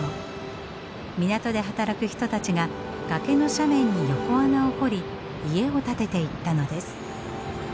港で働く人たちが崖の斜面に横穴を掘り家を建てていったのです。